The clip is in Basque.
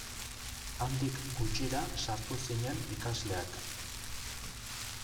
Handik gutxira sartu zinen ikasleak.